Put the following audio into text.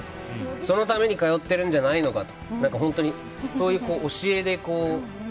そのために通っているんじゃないのかと。